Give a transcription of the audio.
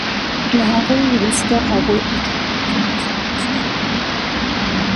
له هغې وروسته هغوی په ځنګل کې خوشحاله ژوند وکړ